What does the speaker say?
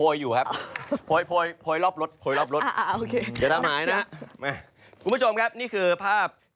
คุณผู้ชมครับนี่คือภาพ